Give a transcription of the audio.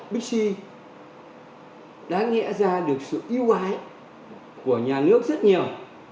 pixi đã nghĩa ra được sự yêu ai của nhà nước rất nhiều